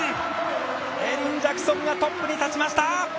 エリン・ジャクソンがトップに立ちました。